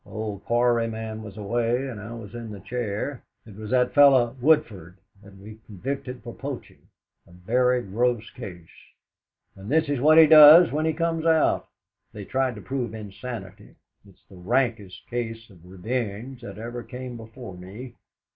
Old Quarryman was away, and I was in the chair. It was that fellow Woodford that we convicted for poaching a very gross case. And this is what he does when he comes out. They tried to prove insanity. It's the rankest case of revenge that ever came before me.